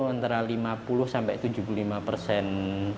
antara lima puluh sampai tujuh puluh lima persen